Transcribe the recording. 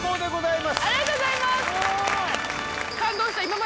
ありがとうございます！